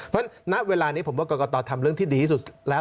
เพราะฉะนั้นณเวลานี้ผมว่ากรกตทำเรื่องที่ดีที่สุดแล้ว